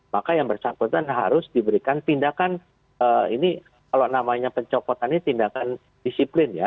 maka yang bersangkutan harus diberikan tindakan ini kalau namanya pencopotan ini tindakan disiplin ya